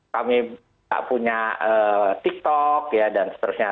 kami tidak punya tiktok dan seterusnya